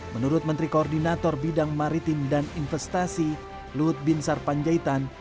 menurut menteri koordinator bidang maritim dan investasi luhut bin sarpanjaitan